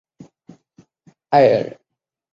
爱尔巴桑。